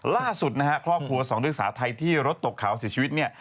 ล่าสุดนะฮะครอบครัวสองนักศึกษาไทยที่รถตกเขาเสียชีวิตเนี่ย